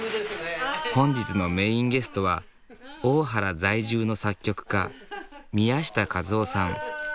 本日のメインゲストは大原在住の作曲家宮下和夫さん。